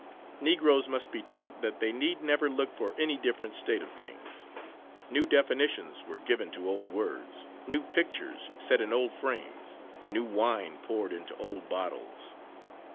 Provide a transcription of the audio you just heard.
Negroes must be taught that they need never look for any different state of things. New definitions were given to old words, new pictures set in old frames, new wine poured into old bottles.